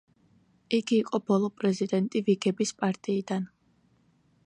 იგი იყო ბოლო პრეზიდენტი ვიგების პარტიიდან.